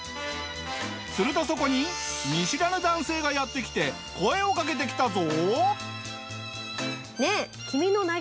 するとそこに見知らぬ男性がやって来て声をかけてきたぞ！